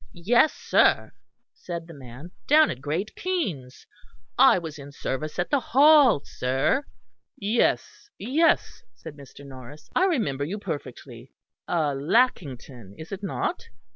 "Yes, sir," said the man, "down at Great Keynes; I was in service at the Hall, sir." "Yes, yes," said Mr. Norris, "I remember you perfectly. Lackington, is it not?"